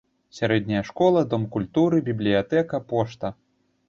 Сярэдняя школа, дом культуры, бібліятэка, пошта.